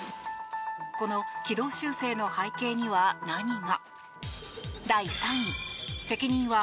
この軌道修正の背景には何が？